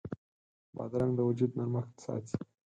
بادرنګ د وجود نرمښت ساتي.